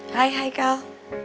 hai hai kal